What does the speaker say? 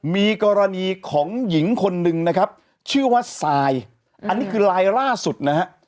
มีกรณีของหญิงคนหนึ่งนะครับชื่อว่าทรายอันนี้คือลายล่าสุดนะฮะ